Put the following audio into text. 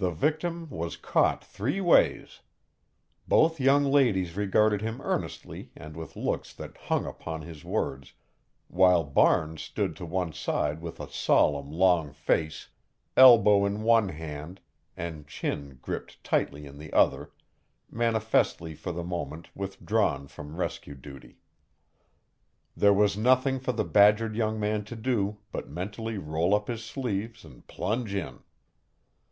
The victim was caught three ways. Both young ladies regarded him earnestly and with looks that hung upon his words, while Barnes stood to one side with a solemn long face, elbow in one hand and chin gripped tightly in the other, manifestly for the moment withdrawn from rescue duty. There was nothing for the badgered young man to do but mentally roll up his sleeves and plunge in.